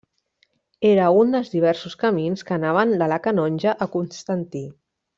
Era un dels diversos camins que anaven de La Canonja a Constantí.